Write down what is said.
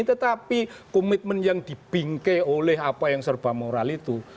tetapi komitmen yang dibingkai oleh apa yang serba moral itu